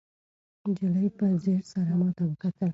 نجلۍ په ځیر سره ماته وکتل.